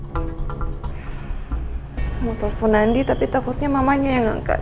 gue mau telfon nandi tapi takutnya mamanya yang angkat